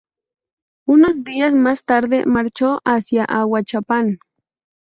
Unos días más tarde marchó hacia Ahuachapán.